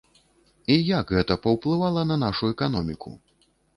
І як гэта паўплывала на нашу эканоміку?